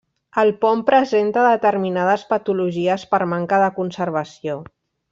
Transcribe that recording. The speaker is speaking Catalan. El pont presenta determinades patologies per manca de conservació.